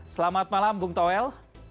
selamat malam bung toel